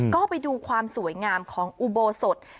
ก็ไปดูความสวยงามของอุโบสถ